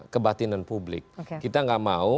kebatinan publik kita nggak mau